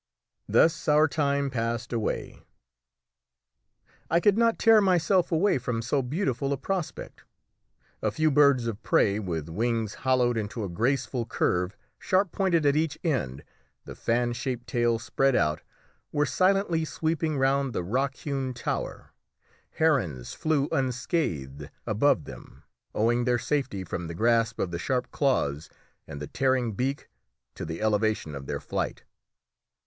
Thus our time passed away. I could not tear myself away from so beautiful a prospect. A few birds of prey, with wings hollowed into a graceful curve sharp pointed at each end, the fan shaped tail spread out, were silently sweeping round the rock hewn tower; herons flew unscathed above them, owing their safety from the grasp of the sharp claws and the tearing beak to the elevation of their flight.